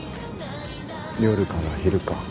夜から昼か。